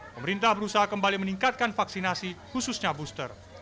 pemerintah berusaha kembali meningkatkan vaksinasi khususnya booster